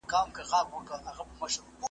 اوس په خپله د انصاف تله وركېږي ,